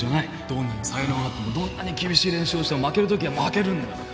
どんなに才能があってもどんなに厳しい練習をしても負けるときは負けるんだよ